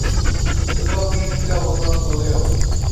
শুধু আপনি নিচে অবতরণ করলেই হবে।